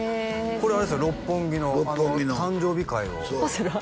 これあれですよ六本木の誕生日会をパセラ？